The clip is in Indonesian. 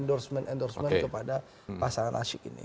endorsement endorsement kepada pasangan asyik ini